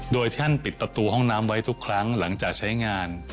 โดยท่านปิดประตูห้องน้ำไว้ทุกครั้งหลังจากใช้งาน